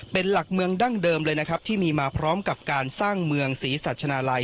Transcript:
เป็นหลักเมืองดั้งเดิมเลยนะครับที่มีมาพร้อมกับการสร้างเมืองศรีสัชนาลัย